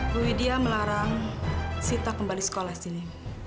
bu widya melarang sita kembali sekolah sini